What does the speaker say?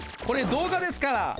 これ動画ですから。